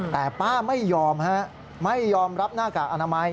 แต่ป้าไม่ยอมฮะไม่ยอมรับหน้ากากอนามัย